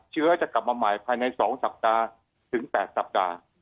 เชื้อจะกลับมาใหม่ภายใน๒สัปดาห์ถึง๘สัปดาห์